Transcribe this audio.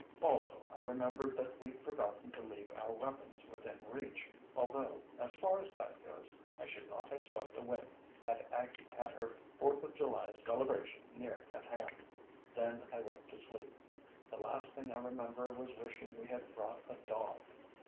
Also I remembered that we'd forgotten to leave our weapons within reach, although, as far as that goes, I should not have slept a wink had Aggie had her Fourth of July celebration near at hand. Then I went to sleep. The last thing I remember was wishing we had brought a dog.